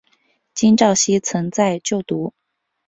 金昭希曾在就读。